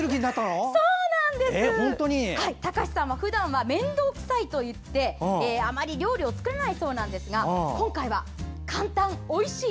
隆志さんは普段は面倒くさいと言ってあまり料理を作らないそうなんですが今回は「簡単、おいしい。